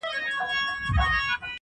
غټ بدن داسي قوي لکه زمری ؤ,